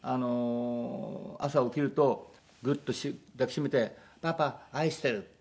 朝起きるとグッと抱き締めて「パパ愛してる。